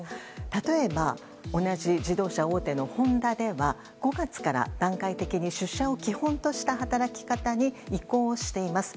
例えば同じ自動車大手のホンダでは５月から段階的に出社を基本とした働き方に移行しています。